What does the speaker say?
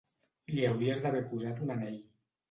Li hauries d'haver posat un anell.